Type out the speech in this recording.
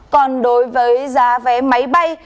còn đối với giá vé máy bay